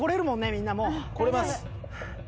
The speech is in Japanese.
みんなもう来れます